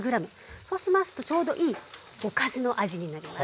そうしますとちょうどいいおかずの味になります。